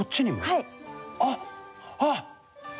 あっあっ！